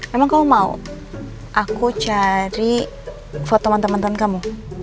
emang kamu mau aku cari foto mantan mantan kamu